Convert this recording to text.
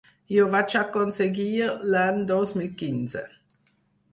I ho vaig aconseguir l’any dos mil quinze.